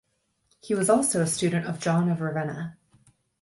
He was also a student of John of Ravenna.